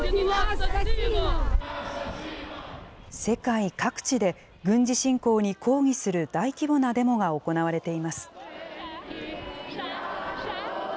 世界各地で、軍事侵攻に抗議する大規模なデモが行われています。